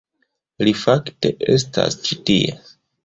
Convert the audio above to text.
Li fakte estas ĉi tie